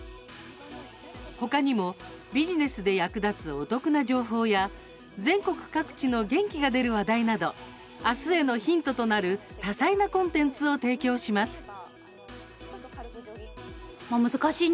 ほかにもビジネスで役立つお得な情報や全国各地の元気が出る話題などあすへのヒントとなる多彩なコンテンツを提供します。